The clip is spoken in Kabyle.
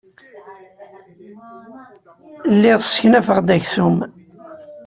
Lliɣ sseknafeɣ-d aksum.